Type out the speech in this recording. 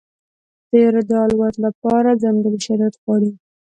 طیاره د الوت لپاره ځانګړي شرایط غواړي.